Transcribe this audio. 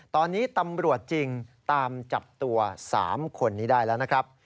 ตอนนี้ตำรวจจริงตามจับตัว๓คนนี้ได้แล้วนะครับ